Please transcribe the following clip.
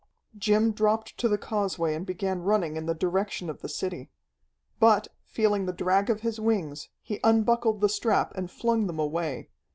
Jim dropped to the causeway and began running in the direction of the city. But, feeling the drag of his wings, he unbuckled the strap and flung them away.